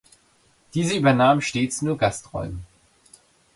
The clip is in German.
Diese übernahmen stets nur Gastrollen.